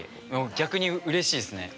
逆にうれしいですね。